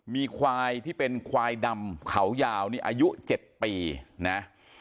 มีควายที่เป็นควายดำเขายาวนี่อายุ๗ปีนะ